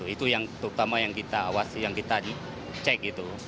itu yang terutama yang kita cek